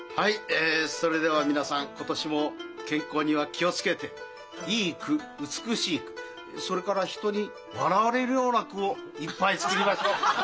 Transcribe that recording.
えそれでは皆さん今年も健康には気を付けていい句美しい句それから人に笑われるような句をいっぱい作りましょう。